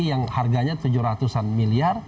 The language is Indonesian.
yang harganya tujuh ratus an miliar